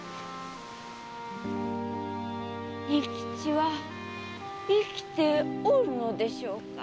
仁吉は生きておるのでしょうか？